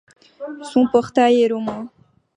Son portail est roman.